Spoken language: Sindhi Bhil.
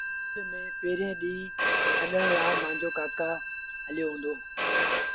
اسڪول ميݩ پيريٚݩ ڏيٚݩهݩ ڇڏڻ لآ مآݩجو ڪآڪو هليو هُݩدو۔